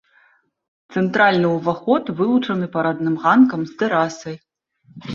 Цэнтральны ўваход вылучаны парадным ганкам з тэрасай.